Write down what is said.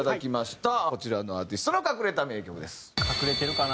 こちらのアーティストの隠れた名曲です。